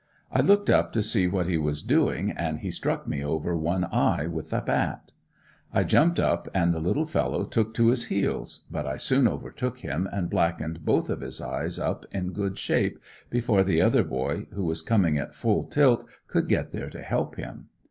I looked up to see what he was doing and he struck me over one eye with the bat. I jumped up and the little fellow took to his heels, but I soon overtook him and blackened both of his eyes up in good shape, before the other boy, who was coming at full tilt could get there to help him.